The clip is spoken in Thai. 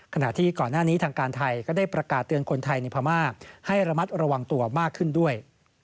ขณะที่ก่อนหน้านี้ทางการไทยก็ได้ประกาศเตือนคนไทยในพม่าให้ระมัดระวังตัวมากขึ้นด้วย